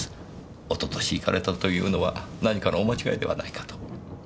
おととし行かれたというのは何かのお間違いではないかと。